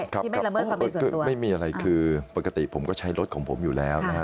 ครับไม่มีอะไรคือปกติผมก็ใช้รถของผมอยู่แล้วนะครับ